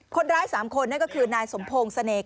คนร้าย๓คนนั่นก็คือนายสมพงศ์เสน่ห